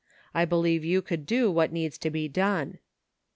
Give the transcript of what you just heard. I believe you could do what needs to be done."